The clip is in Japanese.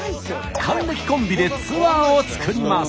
還暦コンビでツアーを作ります。